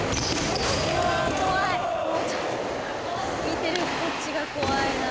見てるこっちが怖いな。